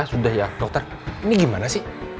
sudah ya dokter ini gimana sih